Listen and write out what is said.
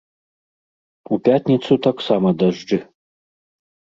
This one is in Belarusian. У пятніцу таксама дажджы.